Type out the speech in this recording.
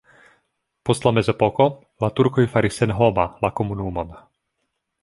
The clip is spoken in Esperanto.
Post la mezepoko la turkoj faris senhoma la komunumon.